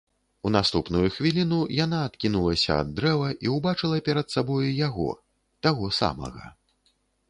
У наступную хвіліну яна адкінулася ад дрэва і ўбачыла перад сабою яго, таго самага.